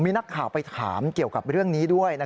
มีนักข่าวไปถามเกี่ยวกับเรื่องนี้ด้วย